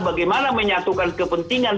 bagaimana menyatukan kepentingan